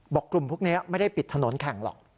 กลุ่มพวกนี้ไม่ได้ปิดถนนแข่งหรอก